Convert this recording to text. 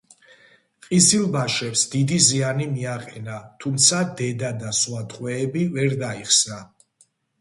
ყიზილბაშებს დიდი ზიანი მიაყენა თუმცა, დედა და სხვა ტყვეები ვერ დაიხსნა.